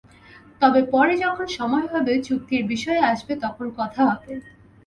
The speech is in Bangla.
তবে পরে যখন সময় হবে, চুক্তির বিষয় আসবে তখন কথা হবে।